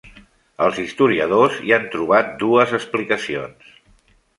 Els historiadors hi han trobat dues explicacions.